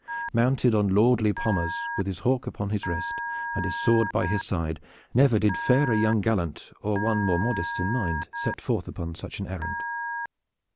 Mounted on lordly Pommers, with his hawk upon wrist and his sword by his side, never did fairer young gallant or one more modest in mind set forth upon such an errand.